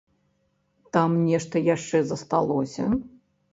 Там нешта яшчэ засталося?